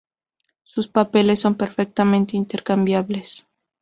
Sus papeles son perfectamente intercambiables.